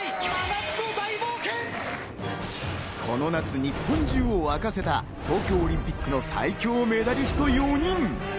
この夏、日本中を沸かせた東京オリンピックの最強メダリスト４人。